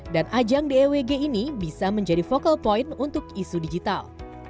dan ajang dewg ini bisa menjadi focal point untuk isu digital